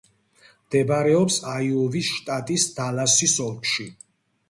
მდებარეობს აიოვის შტატის დალასის ოლქში.